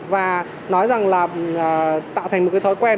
và nói rằng là tạo thành một cái thói quen